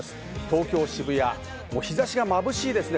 東京・渋谷、日差しがまぶしいです。